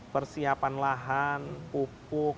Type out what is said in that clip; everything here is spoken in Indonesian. persiapan lahan pupuk